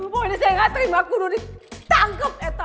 pokoknya saya gak terima aku tuh ditangkep